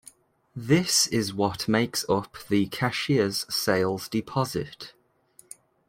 This is what makes up the cashier's sales deposit.